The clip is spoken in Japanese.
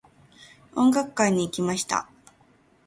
音楽会に行きました。